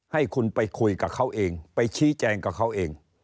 ให้คุณไปคุยกับเขาเองไปชี้แจงกับเขาเอง